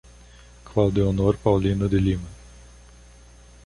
Claudeonor Paulino de Lima